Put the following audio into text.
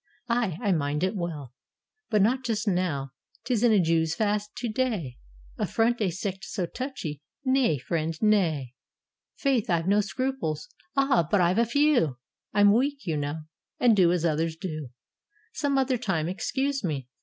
"Ay, I mind it well; But not just now : 't is a Jews' fast to day : Affront a sect so touchy: nay, friend, nay." "Faith, I've no scruples." "Ah! but I've a few: I'm weak, you know, and do as others do: Some other time: excuse me."